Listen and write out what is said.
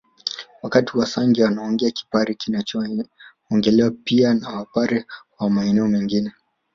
Wakati wasangi anaongea kipare kinachoongelewa pia na Wapare wa maeneo mengine